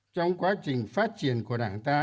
trong quá trình phát triển của đảng ta